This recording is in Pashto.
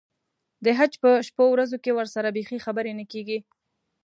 د حج په شپو ورځو کې ورسره بیخي خبرې نه کېږي.